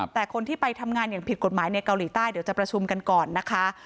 แต่คนที่ไปทำงานอย่างผิดกฎหมายในเกาหลีใต้เดี๋ยวจะประชุมกันก่อนนะคะ